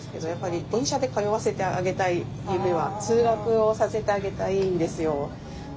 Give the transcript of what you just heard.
やっぱり電車で通わせてあげたい夢は通学をさせてあげたいんですよ。